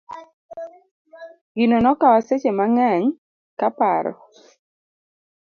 Gino nokawa seche mang'eny ka paro.